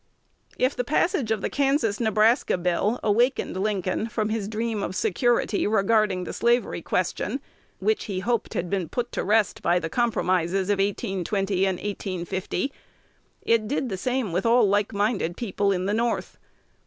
If the passage of the Kansas Nebraska Bill awakened Lincoln from his dream of security regarding the slavery question, which he hoped had been put to rest by the compromises of 1820 and 1850, it did the same with all likeminded people in the North.